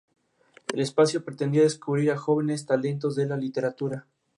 Actualmente se desempeña en el Liverpool de la Premier League de Inglaterra.